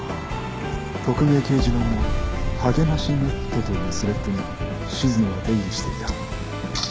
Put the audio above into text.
匿名掲示板の「励ましネット」というスレッドに静野は出入りしていた